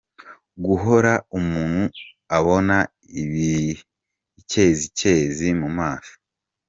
Guhora umuntu abona ibikezikezi mu maso.